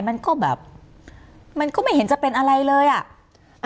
มันก็แบบมันก็ไม่เห็นจะเป็นอะไรเลยอ่ะ